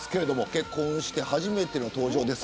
結婚して初めての登場です。